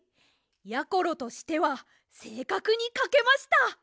やころとしてはせいかくにかけました。